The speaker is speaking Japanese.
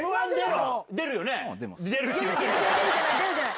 出るじゃない！